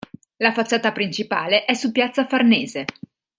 La facciata principale è su piazza Farnese.